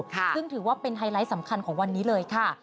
ซึ่งถือว่าเป็นไฮไลท์สำคัญของวันนี้เลยค่ะ